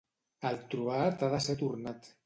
El trobat ha de ser tornat.